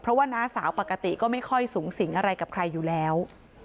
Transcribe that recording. เพราะว่าน้าสาวปกติก็ไม่ค่อยสูงสิงอะไรกับใครอยู่แล้ว